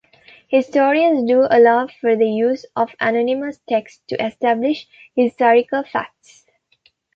Historians do allow for the use of anonymous texts to establish historical facts.